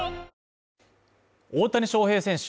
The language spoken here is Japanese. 大谷翔平選手